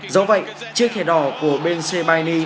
dẫu vậy chiếc thẻ đỏ của ben sebaeni